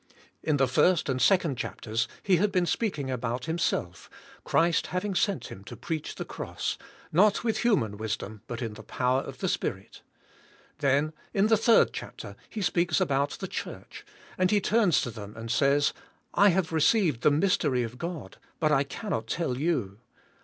In the first and second chapters he had been speaking about himself, Christ having sent him to preach the cross, not with human wisdom but in the power of the Spirit. Then in the third chapter he speaks about the church, and he turns to them and says, I have received the mj'stery of God but I cannot tell you.